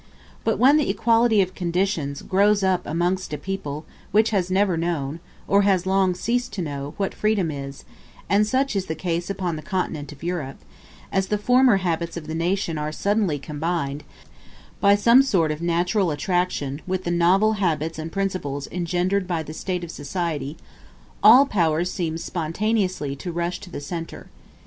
But when the equality of conditions grows up amongst a people which has never known, or has long ceased to know, what freedom is (and such is the case upon the Continent of Europe), as the former habits of the nation are suddenly combined, by some sort of natural attraction, with the novel habits and principles engendered by the state of society, all powers seem spontaneously to rush to the centre.